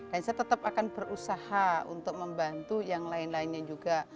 dan saya tetap akan berusaha untuk membantu yang lain lainnya juga